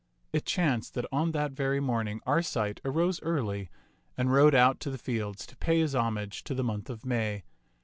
It chanced that on that very morning Arcite arose early and rode out to the fields to pay his homage to the month of May.